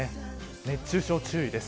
熱中症に注意です。